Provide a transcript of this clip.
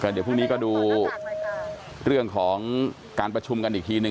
เดี๋ยวพรุ่งนี้ก็ดูเรื่องของการประชุมกันอีกทีหนึ่ง